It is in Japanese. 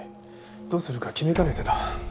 どうするか決めかねてた。